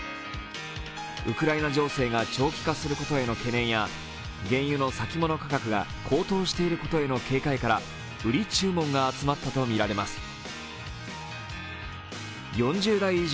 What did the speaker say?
ウクライナ情勢が長期化することへの懸念や、原油の先物価格が高騰していることへの警戒から売り注文が集まったとみられます。